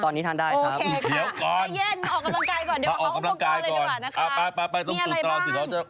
ตอนนี้ทานได้ครับโอเคค่ะเดี๋ยวขอใจเย็นออกกำลังกายก่อนเดี๋ยวมาขอออกกำลังกายเลยดีกว่านะคะ